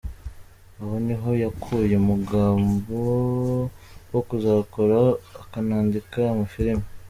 Aho ni ho yakuye umugambo wo kuzakora akanandika amafilimi.